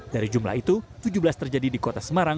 dari jumlah itu tujuh belas terjadi di kota semarang